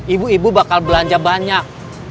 ibu ibu bakal belanja banyak